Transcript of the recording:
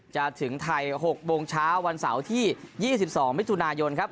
จะถึงไทย๖โมงเช้าวันเสาร์ที่๒๒มิถุนายนครับ